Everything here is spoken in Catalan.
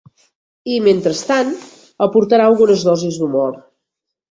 I mentrestant aportarà algunes dosis d'humor.